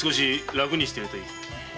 楽にしてるといい。